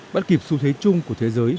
bắt kịp xu thế chung của thế giới